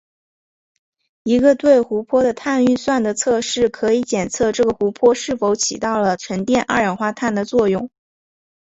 一个对湖泊的碳预算的测试可以检测这个湖泊是否起到了沉淀二氧化碳的作用。